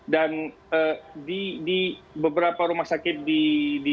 dan di beberapa rumah sakit di zona medial